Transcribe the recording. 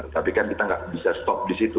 tapi kan kita nggak bisa stop di situ